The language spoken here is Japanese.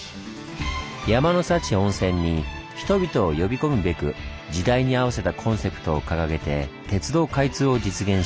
山の幸温泉に人々を呼び込むべく時代に合わせたコンセプトを掲げて鉄道開通を実現した伊東。